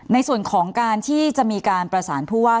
ในส่วนของการที่จะมีการประสานผู้ว่า